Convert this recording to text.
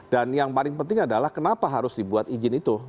dan yang paling penting adalah kenapa harus dibuat izin itu